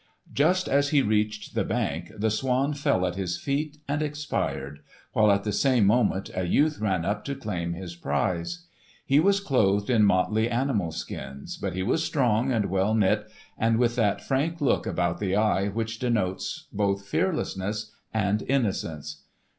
Just as he reached the bank, the swan fell at his feet and expired, while at the same moment a youth ran up to claim his prize. He was clothed in motley animal skins, but he was strong and well knit, and with that frank look about the eye which denotes both fearlessness and innocence.